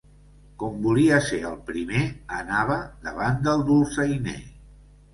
Com volia ser el primer, anava davant del dolçainer.